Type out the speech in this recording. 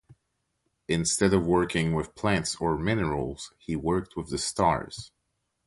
Instead of working with plants or minerals he worked with the stars.